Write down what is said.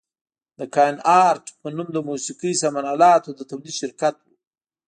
د کاین ارټ په نوم د موسقي سامان الاتو د تولید شرکت و.